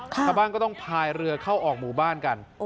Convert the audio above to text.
ชาวบ้านก็ต้องพายเรือเข้าออกหมู่บ้านกัน